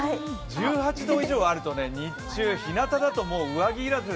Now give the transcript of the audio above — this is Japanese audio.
１８度以上あると日中ひなただともう上着要らず。